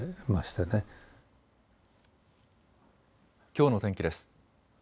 きょうの天気です。